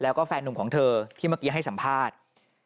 แล้วก็แฟนหนุ่มของเธอที่เมื่อกี้ให้สัมภาษณ์